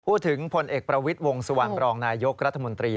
พูดถึงผลเอกประวิดวงสวรรค์ปรองนายกรัฐมนตรี